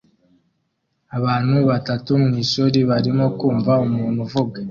Abantu batatu mwishuri barimo kumva umuntu uvuga